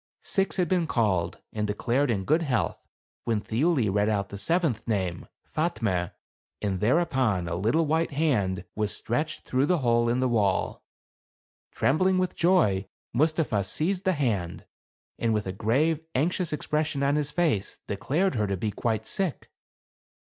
Six had been called, and declared in good health, when Thiuli read out the seventh name, Fatme, and thereupon a little white hand was stretched through the hole in the wall. Trembling with joy, Mustapha seized the hand, and with a grave, anxious expression on his face, declared her to be quite sick.